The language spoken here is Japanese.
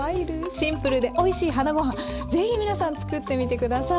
シンプルでおいしいはなゴハン是非皆さん作ってみて下さい。